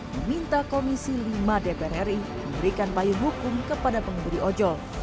meminta komisi lima dpr ri memberikan payung hukum kepada pengemudi ojol